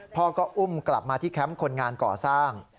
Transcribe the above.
พ่อก็อุ้มกลับมาที่แคมป์คนงานก่อสร้าง